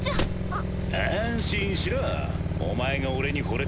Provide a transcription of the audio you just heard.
あっ？